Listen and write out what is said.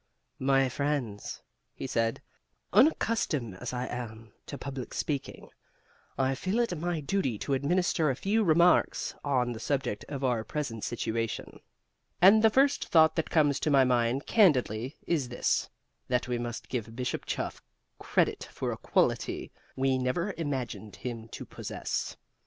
"My friends" (he said), "unaccustomed as I am to public speaking, I feel it my duty to administer a few remarks on the subject of our present situation. "And the first thought that comes to my mind, candidly, is this, that we must give Bishop Chuff credit for a quality we never imagined him to possess.